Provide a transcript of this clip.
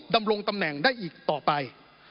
ดำรงตำแหน่งได้อีกต่อไป